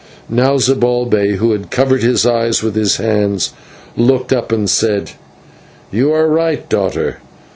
Now Zibalbay, who had covered his eyes with his hands, looked up and said: "You are right, daughter.